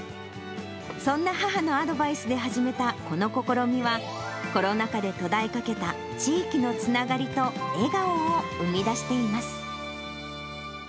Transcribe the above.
そんな母のアドバイスで始めたこの試みは、コロナ禍で途絶えかけた、地域のつながりと笑顔を生み出しています。